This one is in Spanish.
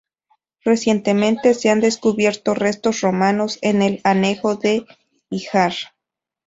Recientemente se han descubierto restos romanos en el anejo de Híjar.